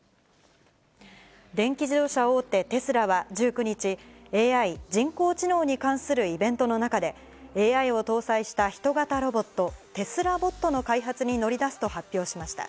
電気自動車大手、テスラは１９日、ＡＩ・人工知能に関するイベントの中で、ＡＩを搭載した人型ロボット、テスラ・ボットの開発に乗り出すと発表しました。